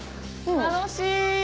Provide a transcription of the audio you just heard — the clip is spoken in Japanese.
楽しい！